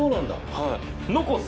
はい。